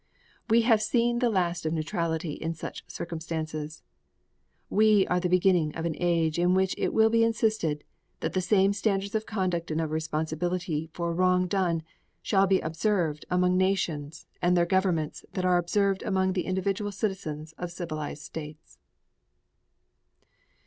We have seen the last of neutrality in such circumstances. We are at the beginning of an age in which it will be insisted that the same standards of conduct and of responsibility for wrong done shall be observed among nations and their governments that are observed among the individual citizens of civilized states.